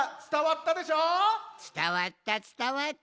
つたわったつたわった。